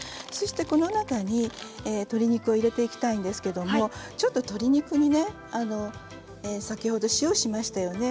この中に鶏肉を入れていきたいんですけれども、ちょっと鶏肉に先ほど塩をしましたよね。